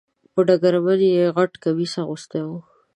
په ډګرمن یې غټ کمیس اغوستی و .